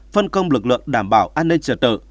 phân công lực lượng đảm bảo an ninh trật tự